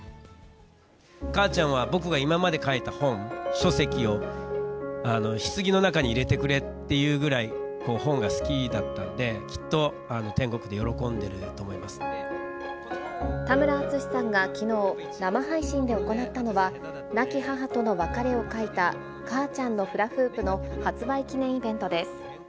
母ちゃんは、僕が今まで書いた本、書籍をひつぎの中に入れてくれっていうぐらい、本が好きだったんで、田村淳さんがきのう、生配信で行ったのは、亡き母との別れを書いた、母ちゃんのフラフープの発売記念イベントです。